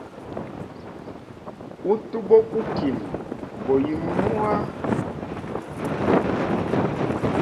Utu bokukina go yimunua.